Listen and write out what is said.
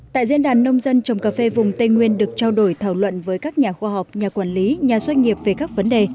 tại diễn đàn nông dân trồng cà phê vùng tây nguyên được trao đổi thảo luận với các nhà khoa học nhà quản lý nhà doanh nghiệp về các vấn đề